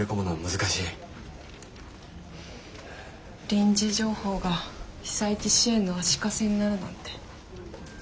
臨時情報が被災地支援の足かせになるなんて。